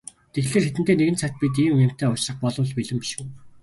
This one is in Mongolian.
Тэгэхлээр тэдэнтэй нэгэн цагт бид ийм юмтай учрах болбол бэлэн биш үү?